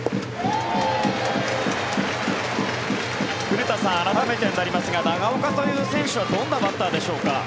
古田さん、改めてになりますが長岡という選手はどんなバッターでしょうか。